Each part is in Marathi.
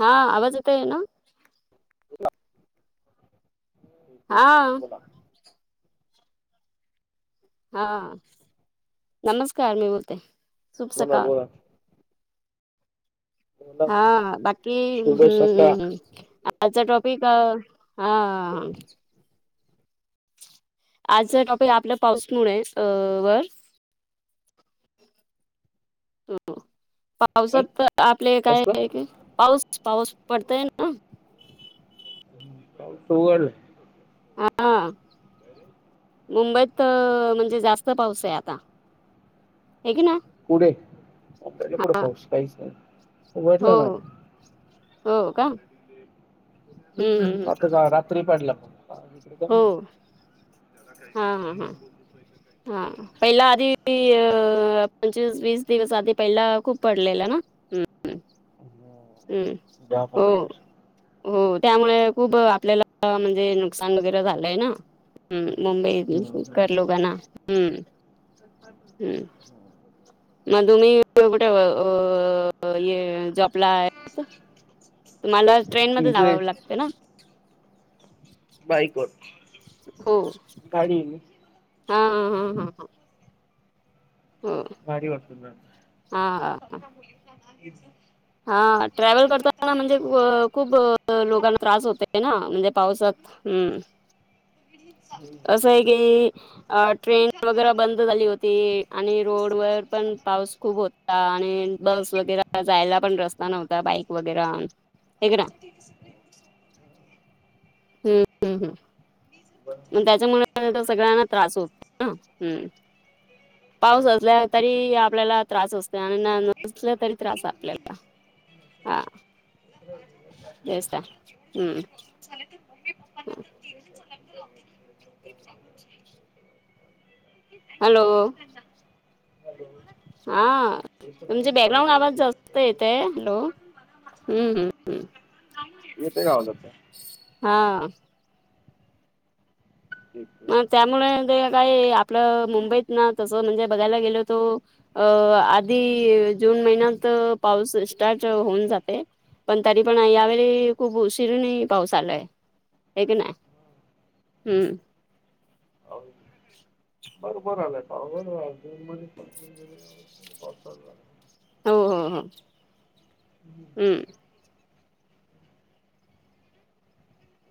हा आवाज येतोय ना? हा बोला हा नमस्कार मी बोलते शुभ बोला सकाळ. बोला बोला हा हा बाकी हम्म शुभ सकाळ हम् हम्म काय आजचा टॉपिक हा हा हा आजचा टॉपिक आपल्या पाऊस मुळे [unintelligible] वर पावसात तर आपले काय कसलं [inaudible] आहे पाऊस पाऊस पडतो ना. तू बोल. हा मुंबईत त म्हणजे जास्त पाऊस आहे आता हे की ना? कुडे? मुंबईले कुडे पाऊस? काहीच नाही ना हो उघडलं ना. हो का. हम्म हम्म, हम्म. [unintelligible] आता रात्री पडला. हो त्याला काहीतरी झीम बोलतो. हा पहिला आधी पंचवीस वीस दिवस आधी पहिला खूप पडलेला ना? हं हम्म हो हो त्यामुळे खूप आपल्याला म्हणजे नुकसान वगैरे झालंय ना. हम् मुंबई हम्म. करलोगाणा हम्म हम्म म तुमी ईथुन कुठे अ ये जॉबला आहे? मला ट्रेन मध्ये इकडे जावावं लागतं ना. बाईकवर हो गाडी आहे. हा हा हा हं. भारी वाटतं पण. हा हा [inaudible] हा ट्रॅव्हल करताना म्हणजे व खूप लोकांना त्रास होतय ना म्हणजे पावसात हम्म. [inaudible] चाल. असं आहे की अ ट्रेन वगैरे बंद झाली होती आणि रोड वर पण पाऊस खूप हो ता आणि बस वगैरे जायला पण रस्ता नव्हता बाईक वगैर हाय क ना. हम्म हम्म मग त्याच्यामुळे तर सगळ्यांना त्रास होतं ना हम्म. पाऊस असला तरी आपल्याला त्रास असतं आणि नसल्या तरी त्रास आपल्याला. हा. [unintelligible] तेच तर हम्म. [inaudible] तर मम्मी पप्पांना. [unintelligible] [unintelligible] हॅलो. [unintelligible] हां. [unintelligible] पाणी वगैरे असतं. हॅलो हम्म हम्म हम्म [unintelligible] येते का आवाज आता? हा. मग आता? त्यामुळे ते एक काय आपलं मुंबईतना तसं म्हणजे बघायला गेलो तो अ आ दी जून महिन्यात पाऊस स्टार्ट होऊन जाते. पण तरी पण यावेळी खूप उशिरून ही पाऊस आलोय हे की नाय. हम्म. [unintelligible] बरोबर आलाय पाऊस. [unintelligible] हो हो हम्म.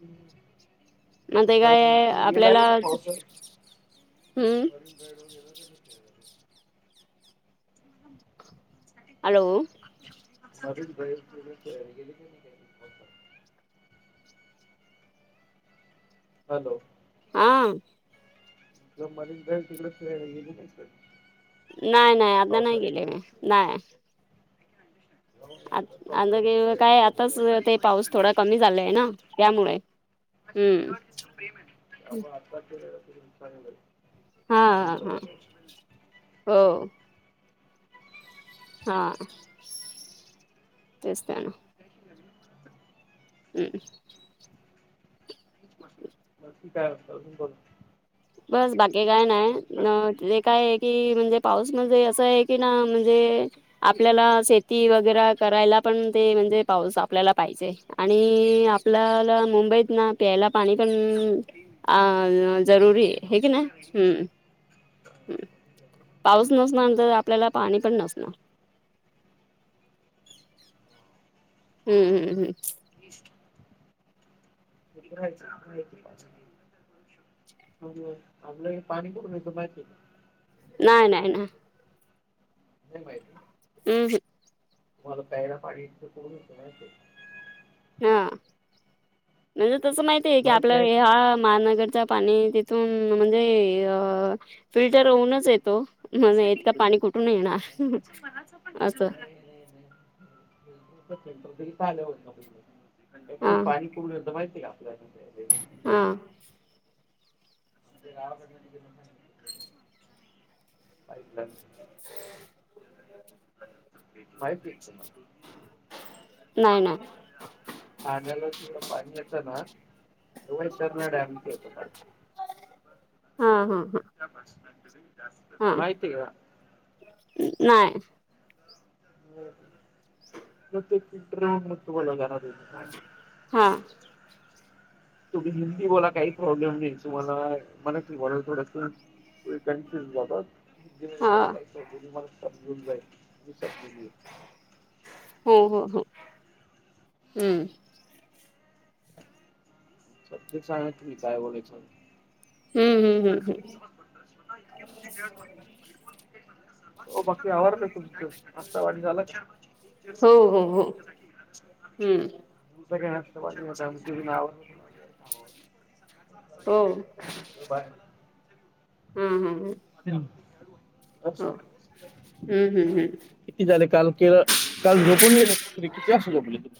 हम्म. मंग ते काय आपल्याला हम्म. बाहेरून गेला का नाही? खेळायला? हॅलो. अजून बाहेर गेल्या तयारी केली की नाही त्यांनी? हॅलो. हां. [unintelligible] तिकडे फिरायला गेलीस. [unintelligible] नाय नाय आता नाय गेले मी नाय. हो आ आता पावसाळ्यात चांगलं गेवं आहे काय तिकडे आताच बघायला. पण ते पाऊस थोडा कमी झाला आहे ना त्यामुळे. हम्म. हा ब आता केलेलं चांगल तरी आहे. हा समुद्र हा बघायला. हो. हा तेच तर ना. हम्म. [unintelligible] बस बा ते काय नाही काय? न ते काय आहे, की म्हणजे पाऊस म्हणजे असं आहे की ना म्हणजे आपल्याला शेती वगैरे करायला पण ते म्हणजे पाऊस आपल्याला पाहिजे. आणि आपल्याला मुंबईत ना प्यायला पाणी पण अ जरुरी हे हेकी नाय. हम. हम्, पाऊस नसणारंतर आपल्याला पाणी पण नसणार. हम्म हम्म हम. ईस्ट [unintelligible] आपलं पाणी कुटून येत माहित आहे का? मुंबईला नाय नाय नाय. नाही माहित‌. हम हं. तुम्हाला प्यायला पाणी इथं कुठून येत माहित आहे का? हा, म्हणजे तस माहिती आहे की आपल्या महानगरच पाणी तिथून म्हणजे अ फिल्टर होऊनच येतो. म्हणे इतकं पाणी कुठून येणार असं. नाही, नाही, हा [unintelligible] पाणी परून य माहितीय का आपल्याला. हा. [unintelligible] पाईपलाईन. मज फिक्स आहे म्हणा. नाही नाही ठाण्याला किंवा पाणी येत ना तेव्हा इकडंन डॅमचं येत पानी. हा हा हा. [unintelligible] हा माहिती का नाय. म किट्रे म तुळ [unintelligible] हा. तुम्ही हिंदी बोला काही प्रॉब्लेम नाही तुम्हाला मला तू बल थोडस‌ तुम्ही कन्फ्युज होऊन जातात. हिंदी मध्ये हा बोला काही प्रॉब्लेम नाही मी समजून जाईल मी समजून घेईल. हो हो हो हम्म. सब्जेक्ट सांगा की तुम्ही काय बोलायचं. हम्म हम्म हम् हम्. हो बाक्की आवार तुमच नाष्टापाणी झाला. हो हो हो हम्म तुमचा नाश्तापाणी [inaudible] हो. भारी हम हम हं. [unintelligible] हम्म हम्म हम्म किती झाले काल के काल झोपून गेलात तुह्मी किती वाजता झोपले तुह्मी.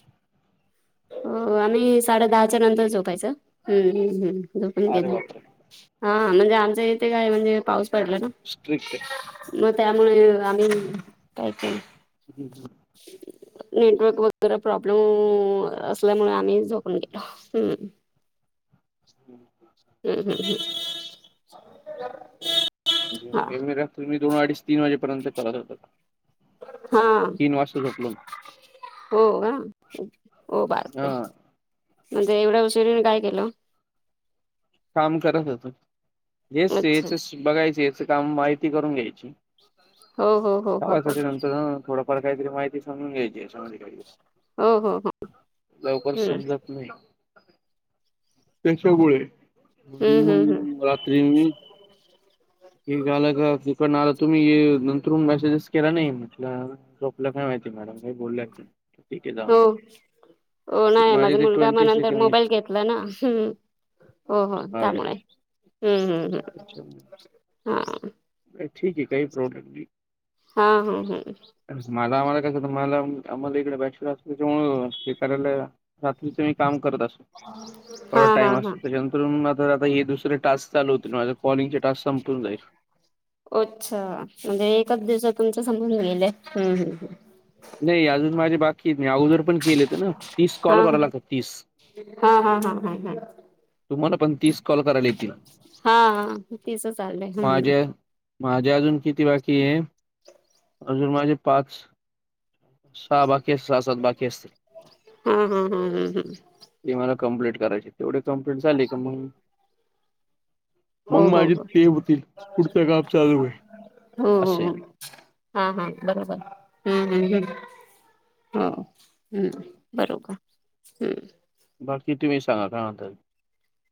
हो आम्ही साडे दहाच्या नंतर झोपायच, हम्मम् हम् झोपून अरे गेलो बापरे आम्ही. हा म्हणजे आमच्या इथे काय म्हणजे पाऊस पडला ना. स्ट्रिकटे. मग त्यामुळे आम्ही काय पण. हम हम. नेटवर्क वगैरे प्रॉब्लेम असल्यामुळे आम्ही झोपून गेलो हम्. [unintelligible] हम् हम् हम् हा [unintelligible] रात्री मी दोन अडीच तीन वाजेपर्यंत करत होतो हा तीन वाजता झोपलो हो [unintelligible] ओ मी बापरे! हा म्हणजे एवढ्या उशिरा येऊन काय केलं? काम करत होतो हेच ते अच्छा याच्याशी बघायचं याच काम माहिती करून घ्यायची. हो हो हो [unintelligible] हो हो थोडा [unintelligible] काहीतरी माहिती समजून घ्यायची याच्यामध्ये काहीतरी हो हो हो लवकर हम्म समजत नाही त्याच्यामुळे अन् हम्म हम्म हम्म मग रात्री मी [unintelligible] आला का तिकडन आला तुम्ही ये नंतरहून मेसेजेस केला नाही म्हटलं आ झोपल्या काय माहिती मॅडम काय बोल्या की. ठीक आहे हो जाऊन हो दे नाही माझे माझा ते मुलगा म ट्वेंटी नंतर सेकंड मोबाईल घेतला ना ह हो हो अरे अरे त्यामुळे हम्म हम्म हम् हा काय ठीक आहे काही प्रॉब्लेम नाही. हा हा हम मला आम्हाला कसं होतं मला आम्हाला इकडे बॅचलर असल्यामुळे त्याच्यामुळे हे करायला रात्रीच मी काम करत असतो हा थोडा हा टाइम हा असतो त्याच्यानंतर नंतरहून मग आता जाता हे दुसरे टास्क चालू होतील माझे कॉलिंग चे टास्क संपून जाईल. ओच्छा म्हणजे एकाच दिवसात तुमचे समजून गेलय हम् हम् नाही अजून माझी बाक कित मी अगोदर पण केले होते ना तीस कॉल हा करावे लागतात तीस. हा हा हा हा तुम्हाला पण तीस कॉल करायला येतील हा हा तिच चाललंय हम्म माझ्या माझ्या अजून किती बाकी आहे अजून माझे पाच सहा बाकी अस सहा सात बाकी असतील हम् हम् हम् ते मला कम्प्लेट करायचे तेवढी कम्प्लेट झाली का मग हो मग हो माझे हो ते होतील पुढच् काम चालू होईल हो हो असे. हो हा हा बरोबर हम्म हम्म हम् हो ह् बरोबर हम् बाकी तुम्ही सांगा काय म्हणताय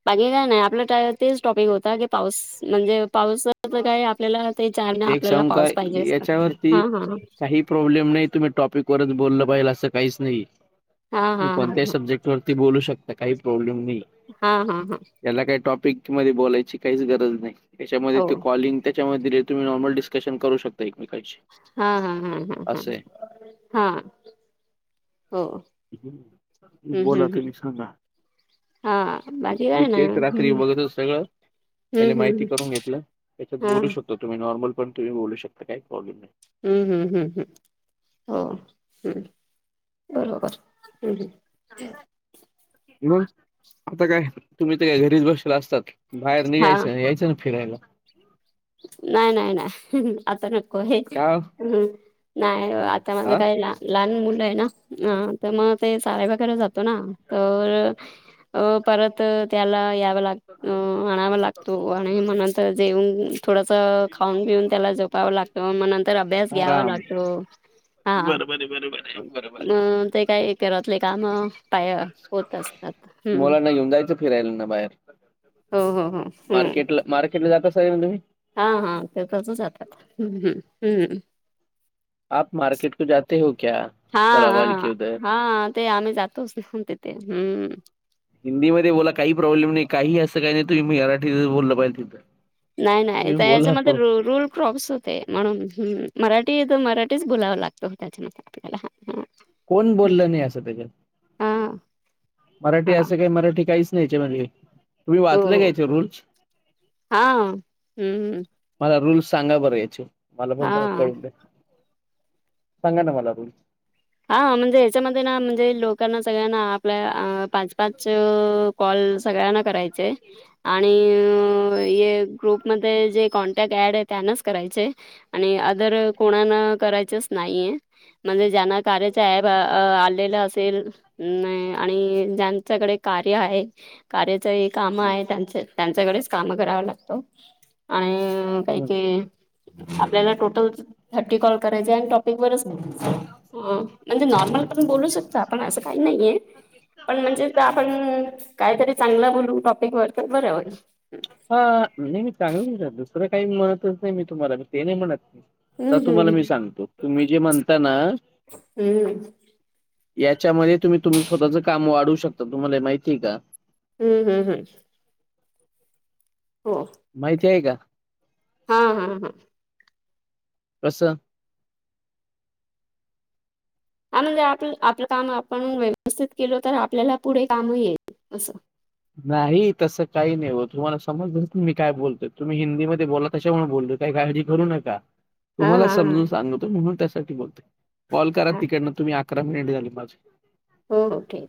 बाकी काय नाही आपलं [unintelligible] तेच टॉपिक होता की पाऊस म्हणजे पाऊस आपलं काय आपल्याला ते चार ना एक आपल्याला सांगू का पाऊस पाहिजेच याच्यावरती हा हा काही प्रॉब्लेम नाही तुम्ही टॉपिक वरच बोललं पाहिल असं काहीच नाही हा मी हा हा कोणत्याही सब्जेक्ट वरती बोलू शकता काही प्रॉब्लेम नाही हा हा हा याला काही टॉपिक मध्ये बोलायची काहीच गरज नाही त्याच्यामध्ये हो ते कॉलिंग त्याच्यामध्ये रे तुम्ही नॉर्मल डिस्कशन करू शकता एकमेकांशी हा हा हा हम असं हम हा हो हम्म हम्म बोला हम्म तुम्ही सांगा हा बाकी मी काय नाही तेच हम्म रात्री बघत होतो सगळं पहिले हम्म माहिती हम्म करून घेतलं त्याच्यात हा बोलू शकतो तुम्ही नॉर्मल पण तुम्ही बोलू शकता काहीच प्रॉब्लेम नाही हम्म हम्म हम्म हम्म हो हम् बरोबर हम् मग आता काय तुम्ही तर काय घरीच बसेल असतात. बाहेर हा निघायचं यायचं ना फिरायला नाही नाही नाही आता नको हे का ह नाही ओ त्या माझं हा काहीला लहान मुलं आहे ना अ तर मग ते शाळा बगैरे जातो ना तर अ परत त्याला यावं लाग आणावा लागतो आणि म्हणत जेऊन थोडस खाऊन पिऊन त्याला जपावं लागतं मग नंतर अभ्यास घ्यावा आराम लागतो. हा बरोबर आहे बरोबर आहे बरोबर आहे. अ ते काही घरातले काम पाय होत असतात हम्म मुलांना घेऊन जायचं फिरायला ना बाहेर हो हो हो हम् मार्केटला मार्केटला जात असाल ना तुम्ही हा हा ते तसच जातात हम्म हम्म आप मार्केट को जाते हो क्या? हा तलावाली के हा उधर. हा ते आम्ही जातोच ना तिथे हम्म हिंदीमध्ये बोला काही प्रॉब्लेम नाही काही असं काही नाही तुम्ही मराठीतच बोलं पाहिजे नाही नाही तुम्ही त्या याच्या बोला मध्ये प्रो रूल रुल् क्रॉप्स होते म्हणून मराठी तर मराठीच बोलावं लागतं त्याच्यामध्ये आपल्याला ह ह कोण बोललं नाही असं त्याच्यात? हम... मराठी असं काही मराठी काहीच नाही याच्या मध्ये तुम्ही हो वाचलंय का याचे रूल्स हा हम्म मला रूल्स सांगा बरं याचे मला पण तर हा कळू द्या सांगा ना मला रूल्स हा म्हणजे हच्यामध्ये ना म्हणजे लोकांना सगळ्यांना आपल्या अ पाच पाच कॉल सगळ्यांना करायचे. आणि हे ग्रुपमध्ये जे कॉन्टॅक्ट ऍड आहे त्यांनाच करायचे ए आणि आदर कोणाना करायचच नाहीये म्हणजे जां ना कार्याचे अँप आलेलं असेल नाही आणि ज्यांच्याकडे कार्य आहे कार्याच हि काम हं, आहे त्यांच त्यांच्याकडेच काम कराव लागत आणि काही हं. काही आपल्याला टोटल थर्टी कॉल करायचे आहे आणि टॉपिक वरच बोलाय चे ह म्हणजे नॉर्मल पण बोलू शकतो आपण असं काही नाहीये. पण म्हणजे हं, आपण हं. काहीतरी चांगलं बोलू टॉपिक वर तर बर होईल. हा नाही मी चांगलं दुसरं काही म्हणतच नाही मी तुम्हाला. ते नाही म्हणत. हम्म तर तुम्हाला हम्म मी सांगतो. तुम्ही जे म्हणता ना हम्म याच्यामध्ये तुम्ही तुम च स्वतःच काम वाढवू शकता तुम्हाला माहितीय का? हम्म हम्म हम् [inaudible] हं माहिती आहे का? हा हा हा कसं आणून दे आपलं आपलं काम आपण व्यवस्थित केलो तर आपल्याला पुढे काम येईल असं. नाही तसं काही नाही हो. तुम्हाला समजलं मी काय बोलतो तुम्ही हिंदीमध्ये बोला. त्याच्यामुळे बोललो काही काळजी करू नका हा तुम्हाला हा हा समजून सांगतो म्हणून त्यासाठी बोलतोय. कॉल करा हा तिकडनं तुम्ही अकरा मिनिट झाली माझे. हो ओके.